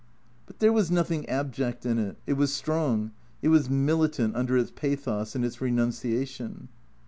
But there was nothing abject in it. It was strong; it was militant under its pathos and its renunciation.